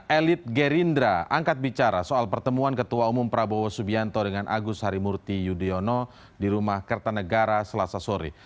elit gerindra angkat bicara soal pertemuan ketua umum prabowo subianto dengan agus harimurti yudhoyono di rumah kertanegara selasa sore